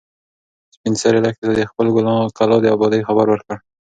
سپین سرې لښتې ته د خپلې کلا د ابادۍ خبر ورکړ.